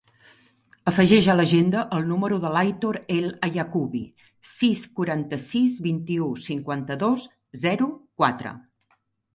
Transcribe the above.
Afegeix a l'agenda el número de l'Aitor El Yaakoubi: sis, quaranta-sis, vint-i-u, cinquanta-dos, zero, quatre.